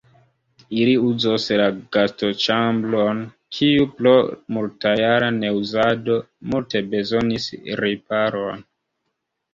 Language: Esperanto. Ili uzos la gastoĉambron, kiu pro multjara neuzado multe bezonis riparon.